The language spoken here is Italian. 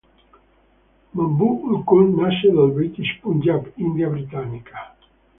Mahbub-ul-Haq nasce nel British Punjab, India britannica.